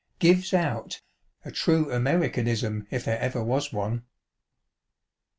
" Gives out "^a true Americanism if there ever was one.